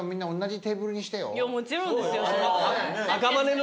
もちろんですよ。